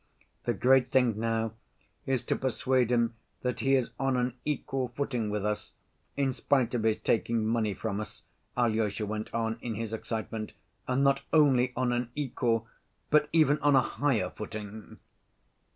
"The great thing now is to persuade him that he is on an equal footing with us, in spite of his taking money from us," Alyosha went on in his excitement, "and not only on an equal, but even on a higher footing."